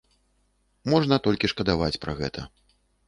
Можна толькі шкадаваць пра гэта.